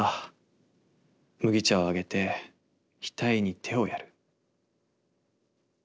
麦茶をあげて額に手をやる。